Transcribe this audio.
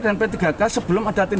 dan p tiga k sebelum ada tindak langsung